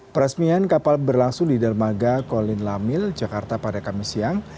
peresmian kapal berlangsung di dermaga kolin lamil jakarta pada kamis siang